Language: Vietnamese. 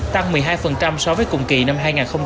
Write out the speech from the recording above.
tăng một mươi hai so với cùng kỳ năm hai nghìn hai mươi ba